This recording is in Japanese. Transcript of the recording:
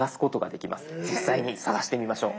実際に探してみましょう。